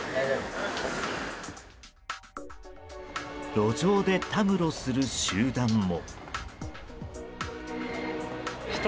路上でたむろする集団も。